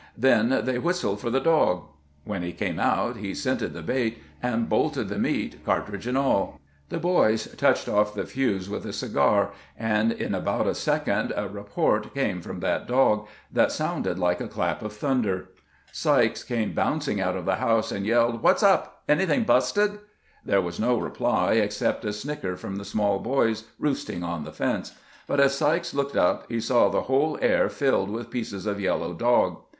Then they whistled for the dog. When he came out he scented the bait, and bolted the meat, cartridge and aU. The boys touched off the fuse with a cigar, and in about a second a report came from that dog that sounded like a clap of thunder. Sykes came 28 CAMPAIGNING WITH GRANT bouncing out of the house, and yelled, ' What 's up 1 Anything busted 1 ' There was no reply, except a snicker from the small boys roosting on the fence ; but as Sykes looked up he saw the whole air filled with pieces of yel low dog.